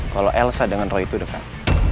kalau elsa dengan roy itu dekat